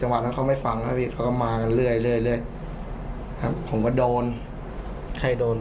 ห้ามกันครับผมห้ามกันครับผมห้ามกันครับผม